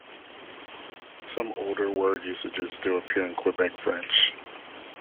Some older word usages still appear in Quebec French.